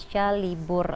terima kasih bunker